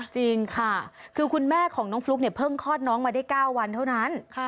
จริงค่ะคือคุณแม่ของน้องฟลุ๊กเนี่ยเพิ่งคลอดน้องมาได้๙วันเท่านั้น